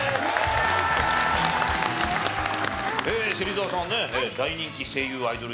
芹澤さんはね大人気声優アイドル